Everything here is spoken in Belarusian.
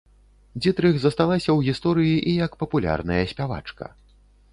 Дзітрых засталася ў гісторыі і як папулярная спявачка.